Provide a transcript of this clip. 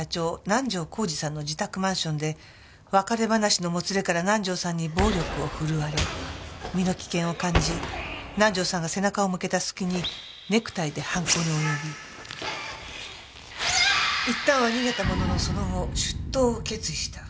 南条晃司さんの自宅マンションで別れ話のもつれから南条さんに暴力を振るわれ身の危険を感じ南条さんが背中を向けたすきにネクタイで犯行に及びいったんは逃げたもののその後出頭を決意した。